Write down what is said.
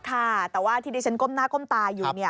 ค่ะแต่ว่าที่ดิฉันก้มหน้าก้มตาอยู่